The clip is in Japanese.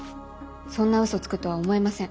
そんなうそつくとは思えません。